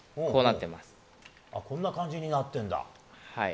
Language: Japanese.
こんな感じになっているんだ。